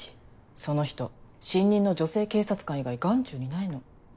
その人新任の女性警察官以外眼中にないの。